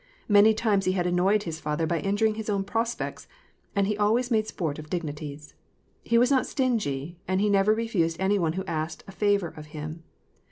Many times he had annoyed his father by injuring his own prospects, and he always made sport of dignities. He was not stingy, and he never refused any one who asked a favor of him.